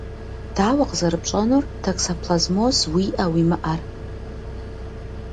Дауэ къызэрыпщӏэнур токсоплазмоз уиӏэ-уимыӏэр?